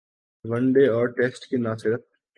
one day اور test کی نہ صرف